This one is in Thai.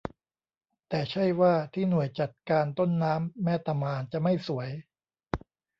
แต่ใช่ว่าที่หน่วยจัดการต้นน้ำแม่ตะมานจะไม่สวย